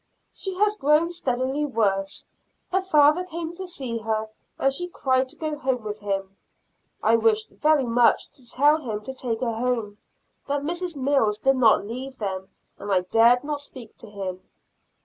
She has grown steadily worse. Her father came to see her, and she cried to go home with him. I wished very much to tell him to take her home, but Mrs. Mills did not leave them, and I dared not speak to him.